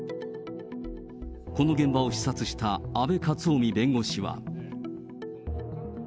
この現場を視察した阿部克臣弁護士は。